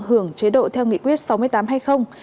hưởng chế độ theo nghị quyết sáu mươi tám hay không